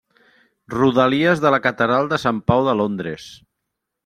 Rodalies de la Catedral de Sant Pau de Londres.